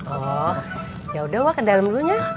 oh yaudah wa ke dalem dulunya